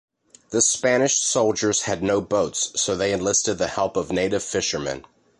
The Spanish soldiers had no boats, so they enlisted the help of native fishermen.